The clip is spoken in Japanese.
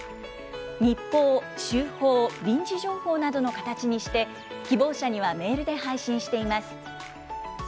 日報、週報、臨時情報などの形にして、希望者にはメールで配信しています。